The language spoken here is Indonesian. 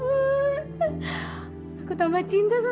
aku tambah cinta sama mas